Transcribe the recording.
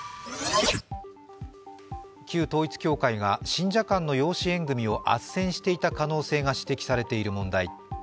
旧統一教会が信者間の養子縁組をあっせんした可能性が指摘されている問題。